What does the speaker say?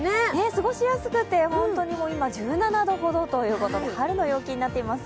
過ごしやすくて、今１７度ほどということで春の陽気になっています。